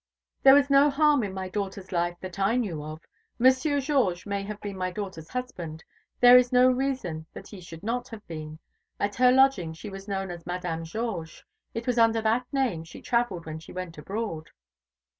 "There was no harm in my daughter's life that I knew of. Monsieur Georges may have been my daughter's husband. There is no reason that he should not have been. At her lodgings she was known as Madame Georges. It was under that name she travelled when she went abroad."